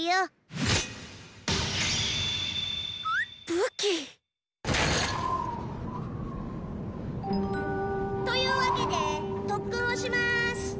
武器！というわけで特訓をします！